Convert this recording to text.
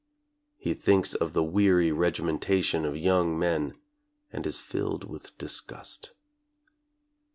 He thinks of the weary regimentation of young men, and is filled with disgust.